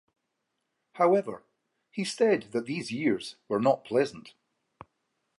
However, he said that these years were not pleasant.